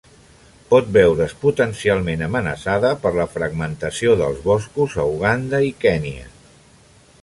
Pot veure's potencialment amenaçada per la fragmentació dels boscos a Uganda i Kenya.